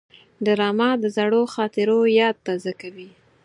ډرامه د زړو خاطرو یاد تازه کوي